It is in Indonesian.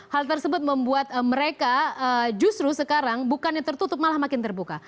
hal tersebut membuat mereka justru sekarang bukannya tertutup malah makin terbuka